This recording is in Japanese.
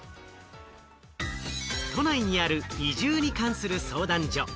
都内にある移住に関する相談所。